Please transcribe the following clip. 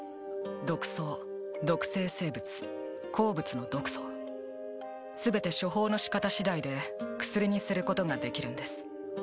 毒草毒性生物鉱物の毒素全て処方の仕方次第で薬にすることができるんです